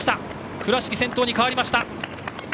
倉敷、先頭に変わりました。